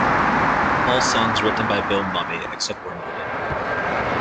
All songs written by Bill Mumy except where noted.